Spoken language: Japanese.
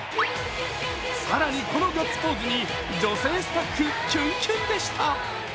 更にこのガッツポーズに女性スタッフ、キュンキュンでした。